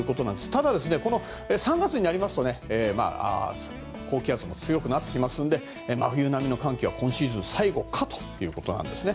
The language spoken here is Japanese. ただ、３月になりますと高気圧も強くなってきますので真冬並みの寒気は今シーズン最後かということです。